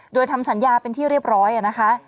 โดยทำสัญญาเป็นที่เรียบร้อยนะคะ